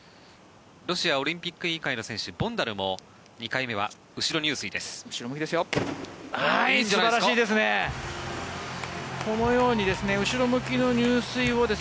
ロシアオリンピック委員会の選手、ボンダルも２回目は後ろ入水です。